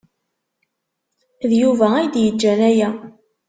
D Yuba ay d-yeǧǧan aya.